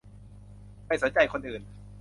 ไม่สนใจคนอื่น